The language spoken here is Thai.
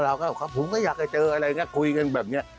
เราก็อยากเจออะไรก็คุยกันแบบนี้